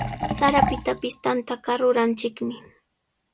Sarapitapis tantaqa ruranchikmi.